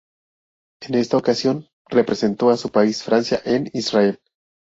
En esta ocasión representó a su país, Francia, en Israel.